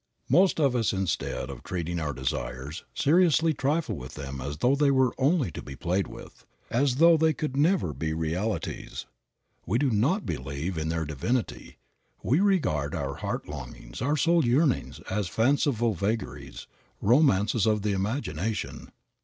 Most of us instead of treating our desires seriously trifle with them as though they were only to be played with, as though they never could be realities. We do not believe in their divinity. We regard our heart longings, our soul yearnings as fanciful vagaries, romances of the imagination.